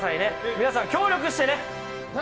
皆さん協力して。